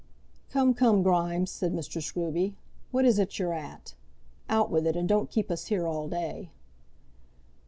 "Come, come, Grimes," said Mr. Scruby. "What is it you're at? Out with it, and don't keep us here all day."